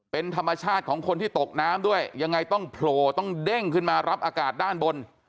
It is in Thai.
เป็นธรรมชาติของคนที่ตกน้ำด้วยยังไงต้องโผล่ต้องเด้งขึ้นมารับอากาศด้านบน